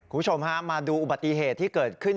คุณผู้ชมฮะมาดูอุบัติเหตุที่เกิดขึ้น